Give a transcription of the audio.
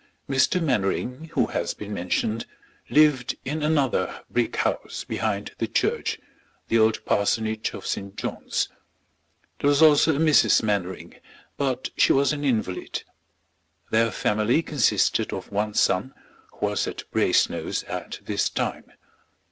Mr. Mainwaring, who has been mentioned, lived in another brick house behind the church, the old parsonage of St. John's. There was also a Mrs. Mainwaring, but she was an invalid. Their family consisted of one son, who was at Brasenose at this time.